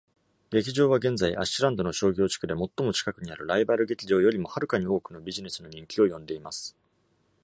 劇場は現在、アッシュランドの商業地区で最も近くにあるライバル劇場よりもはるかに多くのビジネスの人気を呼んでいます。